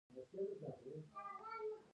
یا د توکو کمښت د ګرانښت لامل دی؟